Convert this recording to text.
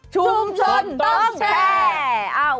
ชุมชนต้องแชร์